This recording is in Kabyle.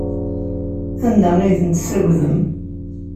Anda ay ten-tessagdem?